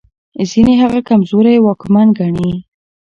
ځينې هغه کمزوری واکمن ګڼي.